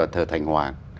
thờ thành hoàng